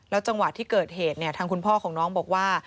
แล้วจังหวะที่เกิดเหตุทางคุณพ่อของน้องบอกว่า